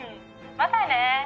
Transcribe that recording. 「またね。